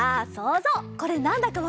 これなんだかわかる？